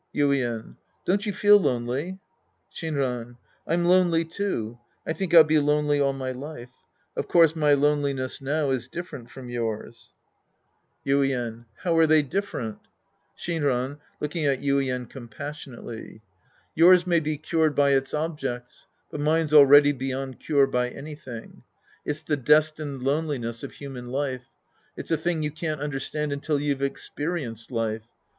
Yuien. Don't you feel lonely ? Shinran. I'm lonely, too. I think I'll be lonely all my life. Of course my loneliness now is different from yours. 72 The Priest and His Disciples Act II Yuien. How are they different ? Shinran {looking at Yuien coi7t/ as: ionately). Yours may be cured by its objects, but mine's already beyond cure by anything. It's the destined loneli ness of human life. It's a thing you can't understand until you've experienced life.